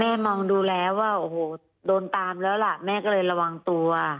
มองดูแล้วว่าโอ้โหโดนตามแล้วล่ะแม่ก็เลยระวังตัว